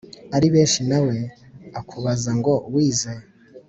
ari benshi nawe ukabaza ngo wize